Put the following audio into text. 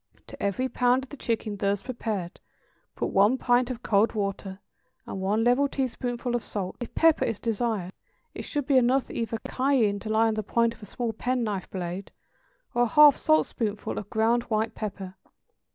To every pound of the chicken thus prepared put one pint of cold water and one level teaspoonful of salt; if pepper is desired it should be either enough cayenne to lie on the point of a small pen knife blade, or a half saltspoonful of ground white pepper.